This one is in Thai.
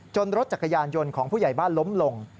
รถจักรยานยนต์ของผู้ใหญ่บ้านล้มลง